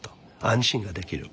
安心ができる。